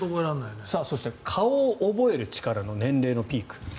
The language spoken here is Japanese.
そして顔を覚える力の年齢のピーク。